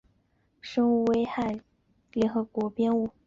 生物性危害的物质规范于下列的联合国危险货物编号